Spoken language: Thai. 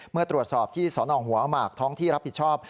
เมื่อตรวจสอบที่สนหัวหมากท้องที่รับผิดชอบ